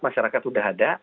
masyarakat sudah ada